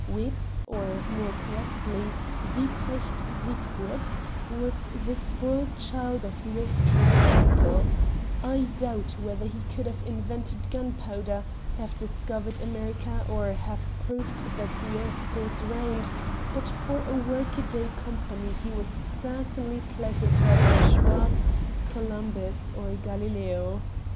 Wips, or more correctly Wiprecht Siegburg, was the spoilt child of the Austrian circle; I doubt whether he could have invented gunpowder, have discovered America, or have proved that the earth goes round, but for work a day company he was certainly pleasanter than Schwarz, Columbus or Galileo.